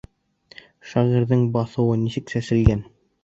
Шағирҙың баҫыуы нисек сәселгән?